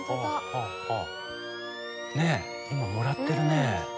ねえ今もらってるね。